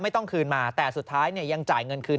ไม่ต้องคืนมาแต่สุดท้ายเนี่ยยังจ่ายเงินคืน